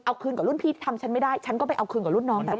เอาคืนกับรุ่นพี่ทำฉันไม่ได้ฉันก็ไปเอาคืนกับรุ่นน้องแบบนี้